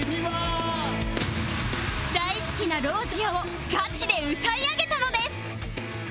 大好きな『ＲＯＳＩＥＲ』をガチで歌い上げたのです！